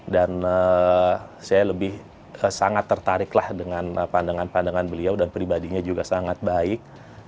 saya lebih sangat tertariklah dengan pandangan pandangan beliau dan pribadinya juga sangat baik